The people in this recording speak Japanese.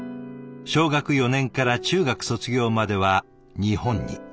小学４年から中学卒業までは日本に。